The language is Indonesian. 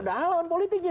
padahal lawan politiknya